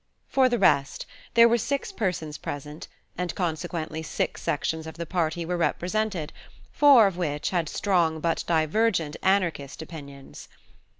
For the rest, there were six persons present, and consequently six sections of the party were represented, four of which had strong but divergent Anarchist opinions.